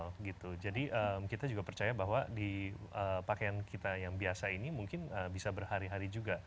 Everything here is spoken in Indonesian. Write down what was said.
wow gitu jadi kita juga percaya bahwa di pakaian kita yang biasa ini mungkin bisa berhari hari juga